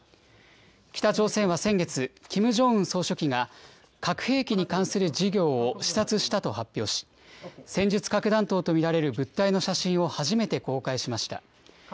北朝鮮は先月、キム・ジョンウン総書記が、核兵器に関する事業を視察したと発表し、戦術核弾頭と見られる物体の写真を初めて公開しました。